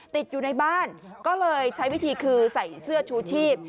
ติดอยู่ในบ้านก็เลยใช้วิธีคือใส่เสื้อชูชีพ